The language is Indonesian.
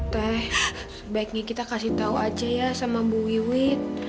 teh sebaiknya kita kasih tahu aja ya sama bu wiwi